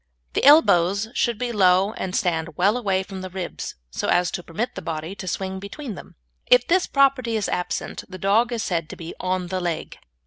The elbows should be low and stand well away from the ribs, so as to permit the body to swing between them. If this property be absent the dog is said to be "on the leg."